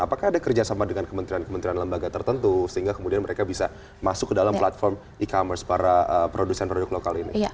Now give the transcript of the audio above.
apakah ada kerjasama dengan kementerian kementerian lembaga tertentu sehingga kemudian mereka bisa masuk ke dalam platform e commerce para produsen produk lokal ini